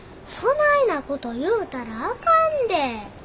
そないなこと言うたらあかんで。